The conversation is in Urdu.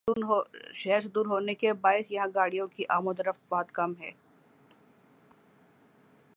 شہر سے دور ہونے کے باعث یہاں گاڑیوں کی آمدورفت بہت کم ہے